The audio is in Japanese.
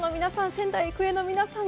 仙台育英の皆さん